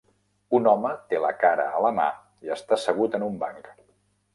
Un home té la cara a la mà i està assegut en un banc.